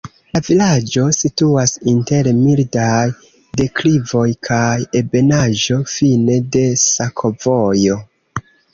La vilaĝo situas inter mildaj deklivoj kaj ebenaĵo, fine de sakovojo.